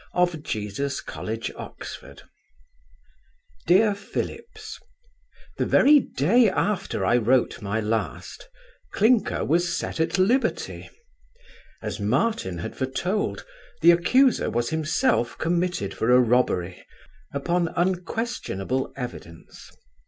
of Jesus college, Oxon. DEAR PHILLIPS, The very day after I wrote my last, Clinker was set at liberty. As Martin had foretold, the accuser was himself committed for a robbery, upon unquestionable evidence.